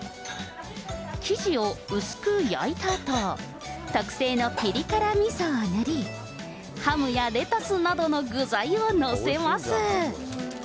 生地を薄く焼いたあと、特製のぴり辛みそを塗り、ハムやレタスなどの具材を載せます。